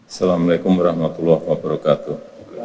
assalamu alaikum warahmatullahi wabarakatuh